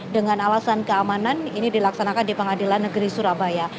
dengan alasan keamanan ini dilaksanakan di pengadilan negeri surabaya